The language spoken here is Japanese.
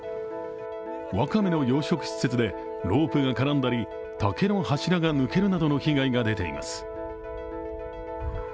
わかめの養殖施設でロープが絡んだり、竹の柱が抜けるなどの被害が出ています。